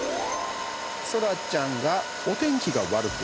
そらちゃんが「お天気が悪く」。